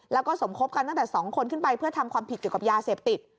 แล้วก็สมคบกันตั้งแต่๒คนขึ้นไปเพื่อทำความผิดเกี่ยวกับยาเสพติด